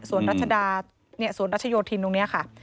รัชดาสวนรัชโยธินตรงนี้ค่ะ